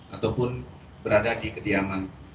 ataupun berada di kediaman